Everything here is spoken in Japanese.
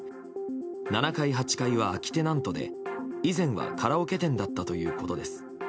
７階、８階は空きテナントで以前はカラオケ店だったということです。